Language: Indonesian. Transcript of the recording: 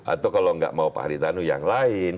atau kalau enggak mau pak haritano yang lain